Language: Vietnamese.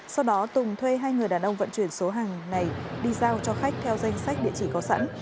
sau đó tùng thuê hai người đàn ông vận chuyển số hàng này đi giao cho khách theo danh sách địa chỉ có sẵn